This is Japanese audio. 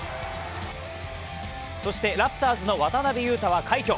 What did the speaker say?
そして、ラプターズの渡邊雄太は快挙。